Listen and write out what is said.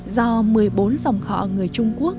do một mươi bốn dòng họ người trung quốc